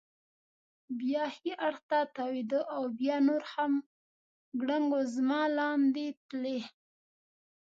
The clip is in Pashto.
بیا ښي اړخ ته تاوېده او بیا نور هم ګړنګ وزمه لاندې تلی.